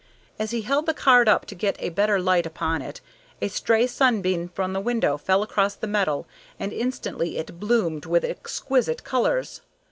As he held the card up to get a better light upon it a stray sunbeam from the window fell across the metal and instantly it bloomed with exquisite colors!